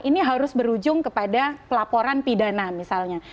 ini harus berujung kepada pelaporan pidana misalnya